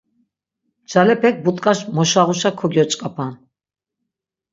Ncalepek but̆kaş moşağuşa kogyoç̆kapan.